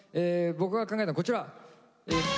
僕が考えたこちら。